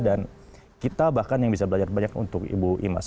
dan kita bahkan yang bisa belajar banyak untuk ibu imas